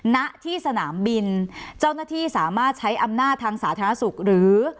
ณที่สนามบินเจ้าหน้าที่สามารถใช้อำนาจทางสาธารณสุขหรือ